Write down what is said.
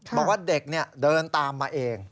บอกว่าเด็กเดินตามมาเอง